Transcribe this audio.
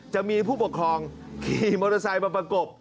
จะมีผู้ปกครองขี่มอเตอร์ไซค์มาประกบ